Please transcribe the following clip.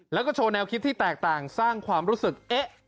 แล้วก็โชว์แนวคิดที่แตกต่างสร้างความรู้สึกเอ๊ะ